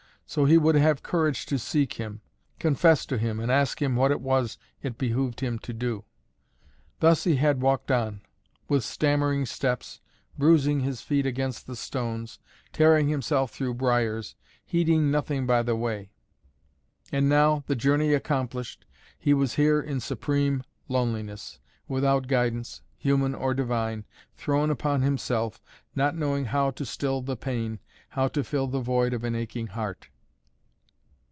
So he would have courage to seek him, confess to him and ask him what it was it behooved him to do. Thus he had walked on with stammering steps, bruising his feet against stones, tearing himself through briars heeding nothing by the way. And now, the journey accomplished, he was here in supreme loneliness, without guidance, human or divine, thrown upon himself, not knowing how to still the pain, how to fill the void of an aching heart.